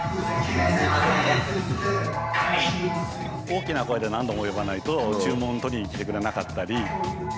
大きな声で何度も呼ばないと注文を取りに来てくれなかったり。